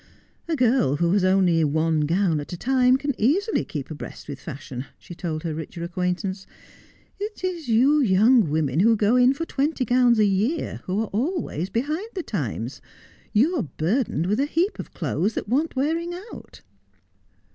' A girl who has only one gown at a time can easily keep abreast with fashion,' she told her richer acquaintance. ' It is you young women who go in for twenty gowns a year who are always behind the times. You are burdened with a heap of clothes that want wearing out.'